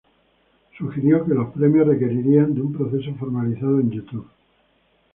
Sugirió que los premios requerirían de un proceso formalizado en YouTube.